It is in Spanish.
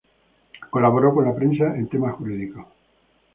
Colaboró con la prensa en temas jurídicos.